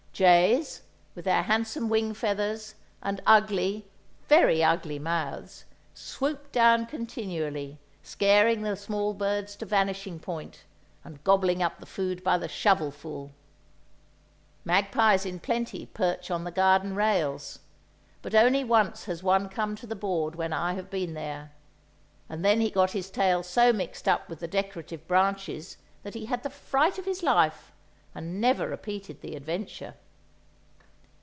Jays, with their handsome wing feathers and ugly, very ugly, mouths, swoop down continually, scaring the small birds to vanishing point, and gobbling up the food by the shovelful! Magpies in plenty perch on the garden rails, but only once has one come to the board when I have been there, and then he got his tail so mixed up with the decorative branches, that he had the fright of his life, and never repeated the adventure.